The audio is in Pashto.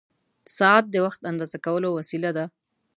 ساعت د وخت اندازه کولو وسیله ده.